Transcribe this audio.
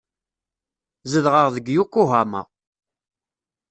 Zedɣeɣ deg Yokohama.